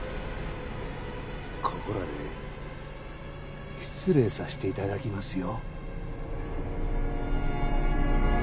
ここらで失礼させていただきますよ。